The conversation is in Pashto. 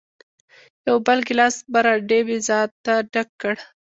یو بل ګیلاس برانډي مې ځانته ډک کړ.